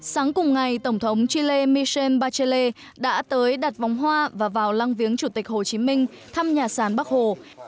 sáng cùng ngày tổng thống chile michel bachelle đã tới đặt vòng hoa và vào lăng viếng chủ tịch hồ chí minh thăm nhà sàn bắc hồ